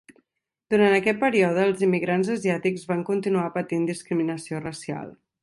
Durant aquest període, els immigrants asiàtics van continuar patint discriminació racial.